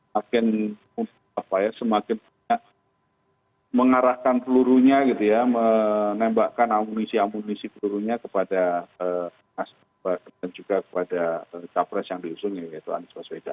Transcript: makin semakin mengarahkan pelurunya gitu ya menembakkan amunisi amunisi pelurunya kepada nasdem dan juga kepada capres yang diusung yaitu anis waswedan